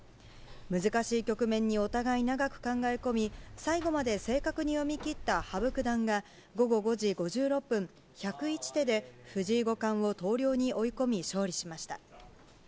難しい局面にお互い長く考え込み、最後まで正確に読み切った羽生九段が午後５時５６分、１０１手で藤井五冠を投了に追い込み、勝利しました。